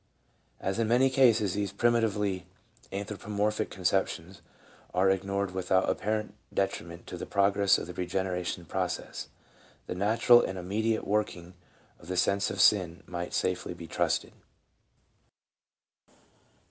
As, in many cases, these primitively anthropomorphic conceptions are ignored without apparent detriment to the progress of the Eegeneration process, the natural and immediate working of the sense of sin might safely be trusted.